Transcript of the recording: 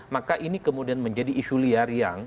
maka ini kemudian menjadi isu liar yang